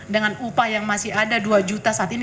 dengan upah yang masih ada dua juta saat ini